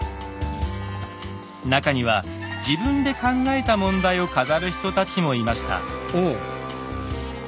中には自分で考えた問題を飾る人たちもいました。